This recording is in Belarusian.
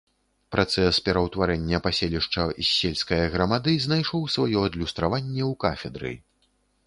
Працэс пераўтварэння паселішча з сельскае грамады знайшоў сваё адлюстраванне ў кафедры.